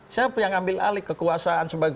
siapa yang ambil alih kekuasaan sebagai